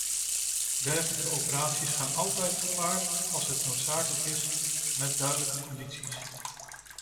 Dergelijke operaties gaan altijd gepaard, als het noodzakelijk is, met duidelijke condities.